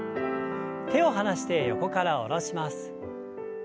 手を離して横から下ろします。